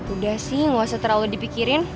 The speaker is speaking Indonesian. udah sih nggak usah terlalu dipikirin